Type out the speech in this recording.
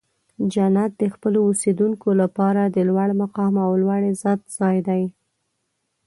جنت د خپلو اوسیدونکو لپاره د لوړ مقام او لوړ عزت ځای دی.